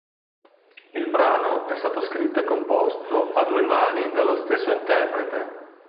Il brano è stato scritto e composto a due mani dallo stesso interprete.